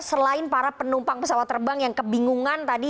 selain para penumpang pesawat terbang yang kebingungan tadi